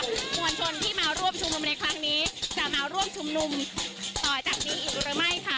มวลชนที่มาร่วมชุมนุมในครั้งนี้จะมาร่วมชุมนุมต่อจากนี้อีกหรือไม่ค่ะ